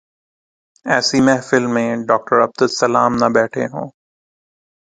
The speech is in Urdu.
ایسی محفل میں ڈاکٹر عبدالسلام نہ بیٹھے ہوں۔